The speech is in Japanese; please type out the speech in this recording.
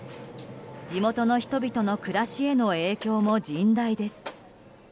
地元の人々の暮らしへの影響も甚大です。